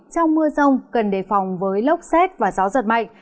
trong mưa rông cần đề phòng với lốc xét và gió giật mạnh